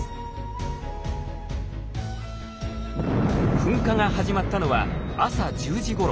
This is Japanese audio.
噴火が始まったのは朝１０時ごろ。